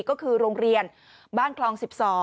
ก็คือโรงเรียนบ้านคลอง๑๒